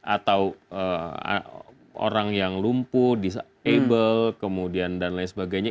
atau orang yang lumpuh disable kemudian dan lain sebagainya